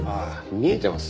見えてます？